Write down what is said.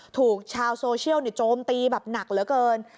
ถูกชาวโซเชียลโจมตีแบบหนักเหลือเกิน